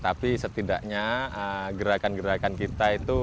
tapi setidaknya gerakan gerakan kita itu